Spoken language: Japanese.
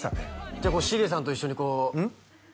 じゃあしげさんと一緒にこううん？